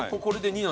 ２。